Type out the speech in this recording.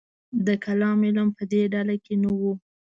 د کلام علم په دې ډله کې نه و.